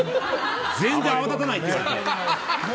全然泡立たないって言われて。